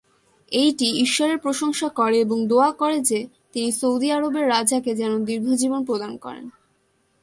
এইটি ঈশ্বরের প্রশংসা করে এবং দোয়া করে যে, তিনি সৌদি আরবের রাজাকে যেন দীর্ঘ জীবন প্রদান করেন।